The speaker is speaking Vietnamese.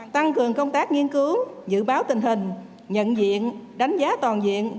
tăng cường công tác nghiên cứu dự báo tình hình nhận diện đánh giá toàn diện